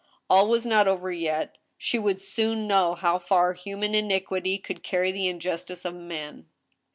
All was not over yet. She would soon know how far human iniquity could carry the injustice of men.